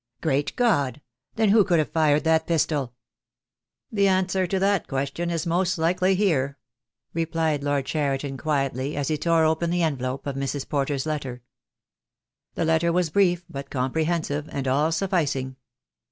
"Great God! then who could have fired that pistol?" "The answer to that question is most likely here," replied Lord Cheriton quietly, as he tore open the enve lope of Mrs. Porter's letter. I gO THE DAY WILL COME. The letter was brief but comprehensive, and all sufficing.